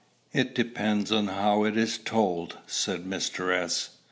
"It depends on how it is told," said Mr. S.